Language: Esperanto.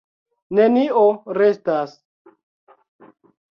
Nenio restas.